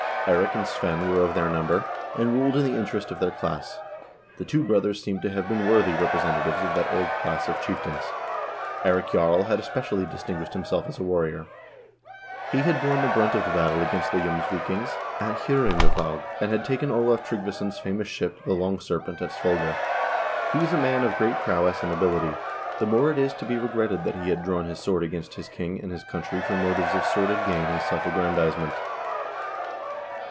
Eirik and Svein were of their number, and ruled in the interest of their class ; the two brothers seem to have been worthy representatives of that old class of chieftains. Eirik Jarl had espe cially distinguished himself as a warrior. He had borne the brunt of the battle against the Jomsvikings at HJ0rungavaag, and had taken Olav Tryggvason's famous ship, the "Long Serpent," at Svolder. He was a man of great prowess and ability. The more it is to be regretted that he had drawn his sword against his king and his country for motives of sordid gain and self aggrandizement.